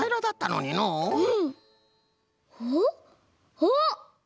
あっ！